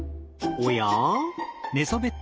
おや？